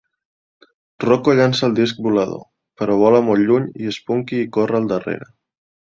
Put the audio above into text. Rocko llança el disc volador, però vola molt lluny i Spunky hi corre al darrere.